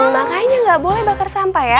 makanya nggak boleh bakar sampah ya